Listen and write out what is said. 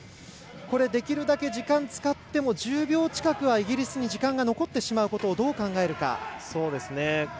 できるだけ時間を使っても１０秒近くはイギリスに時間が残ってしまうことをどう考えるか。